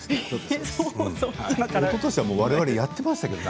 おととしは、われわれ「あさイチ」やっていましたね。